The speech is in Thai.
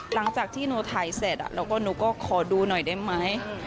หลังจากที่หนูถ่ายเสร็จแล้วก็หนูก็ขอดูหน่อยได้ไหม